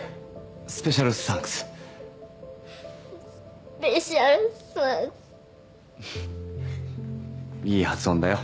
スペシャルサンクススペシャルサンクスふっいい発音だよ